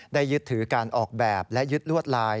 ยึดถือการออกแบบและยึดลวดลาย